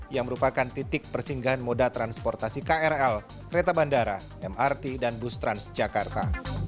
yang merupakan titik persinggahan moda transportasi krl kereta bandara mrt dan bus transjakarta